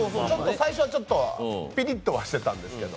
最初はちょっとぴりっととはしてたんですけど。